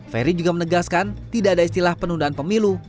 ferry juga menegaskan tidak ada istilah penundaan pemilu